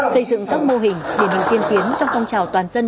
xây dựng các mô hình điển hình tiên tiến trong phong trào toàn dân